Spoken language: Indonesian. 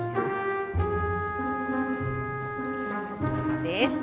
mak muka anak bis